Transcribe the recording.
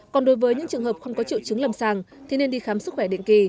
còn đối với những trường hợp không có triệu chứng lầm sàng thì nên đi khám sức khỏe định kỳ